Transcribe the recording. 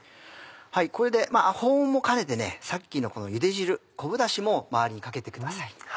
これで保温も兼ねてさっきのこのゆで汁昆布ダシも周りにかけてください。